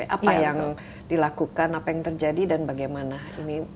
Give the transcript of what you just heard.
apa yang dilakukan apa yang terjadi dan bagaimana ini